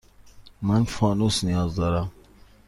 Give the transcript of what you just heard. من فانوس نیاز دارم.